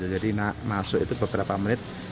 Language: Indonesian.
jadi masuk itu beberapa menit